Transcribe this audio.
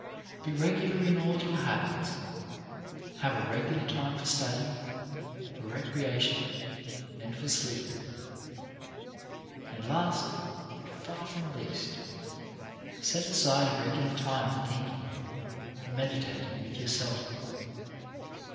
Be regular in all your habits. Have a regular time for studying, for recreation, and for sleeping. And last, but far from least, set aside a regular time for thinking, for meditating with yourself.